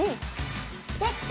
できた！